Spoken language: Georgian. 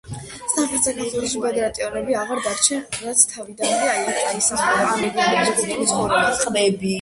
სამხრეთ საქართველოში ბაგრატიონები აღარ დარჩნენ, რაც თავიდანვე აისახა ამ რეგიონის კულტურულ ცხოვრებაზე.